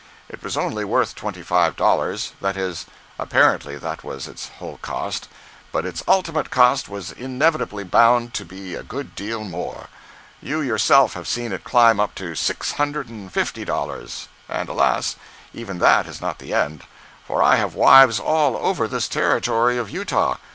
It was only worth twenty five dollars—that is, apparently that was its whole cost—but its ultimate cost was inevitably bound to be a good deal more. You yourself have seen it climb up to six hundred and fifty dollars—and alas, even that is not the end! For I have wives all over this Territory of Utah.